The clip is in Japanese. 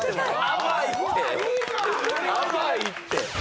甘いって！